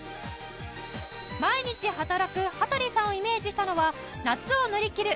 毎日働く羽鳥さんをイメージしたのは夏を乗り切る！